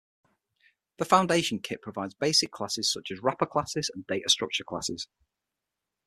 The Foundation Kit provides basic classes such as wrapper classes and data structure classes.